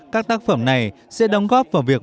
các tác phẩm này sẽ đóng góp vào việc